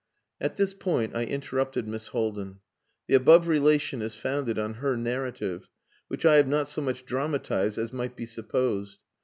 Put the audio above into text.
At this point I interrupted Miss Haldin. The above relation is founded on her narrative, which I have not so much dramatized as might be supposed.